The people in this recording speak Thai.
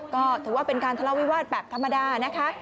ก็ถือว่าเป็นการทะเลาวิวาสแบบธรรมดานะคะ